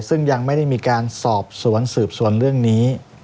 ซึ่งยังไม่ได้มีการสอบสวนสืบสวนเรื่องนี้